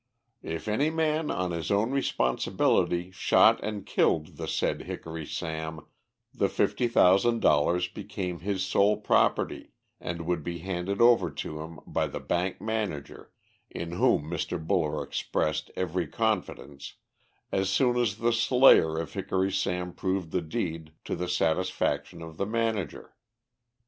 If any man on his own responsibility shot and killed the said Hickory Sam, the fifty thousand dollars became his sole property, and would be handed over to him by the bank manager, in whom Mr. Buller expressed every confidence, as soon as the slayer of Hickory Sam proved the deed to the satisfaction of the manager.